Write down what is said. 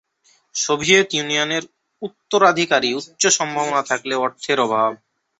Soviet ইউনিয়নের উত্তরাধিকারী উচ্চ সম্ভাবনা থাকলেও অর্থের অভাব।